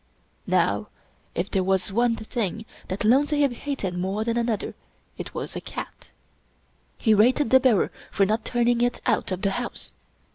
Now, if there was one thing that Lone Sahib hated more than another it was a cat. He rated the bearer for not turning it out of the house.